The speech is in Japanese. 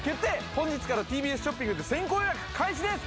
本日からＴＢＳショッピングで先行予約開始です